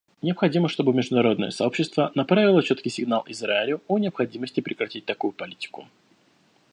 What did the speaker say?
Необходимо, чтобы международное сообщество направило четкий сигнал Израилю о необходимости прекратить такую политику.